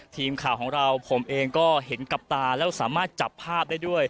ทีมข่าวของเราผมเองก็เห็นกับตาแล้วสามารถจับภาพได้ด้วย